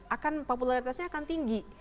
akan popularitasnya akan tinggi